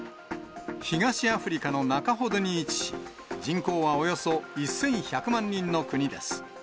東アフリカの中ほどに位置し、人口はおよそ１１００万人の国です。